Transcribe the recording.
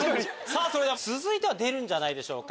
続いては出るんじゃないでしょうか。